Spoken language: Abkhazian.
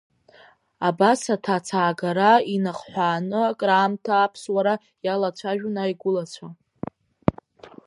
Абас аҭацаагара инахҳәааны краамҭа Аԥсуара иалацәажәон аигәылацәа.